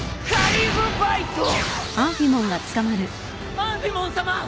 アンフィモンさま！